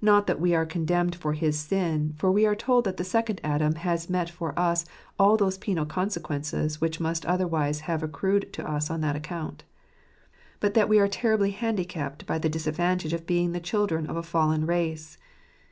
Not that we are condemned for his sin, for we are told that the second Adam has met for us all those penal consequences which must otherwise have accrued to us on that account ; but that we are terribly handicapped by the disadvantage of being the children of a fallen race.